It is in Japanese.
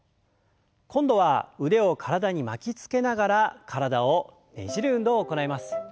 今度は腕を体に巻きつけながら体をねじる運動を行います。